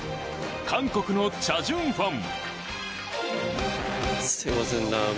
韓国のチャ・ジュンファン。